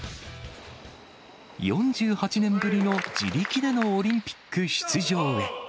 ４８年ぶりの自力でのオリンピック出場へ。